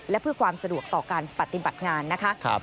และเพื่อความสะดวกต่อการปฏิบัติงานนะคะ